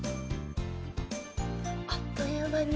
あっという間に。